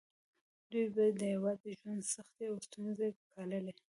دوی به د یوازې ژوند سختې او ستونزې ګاللې.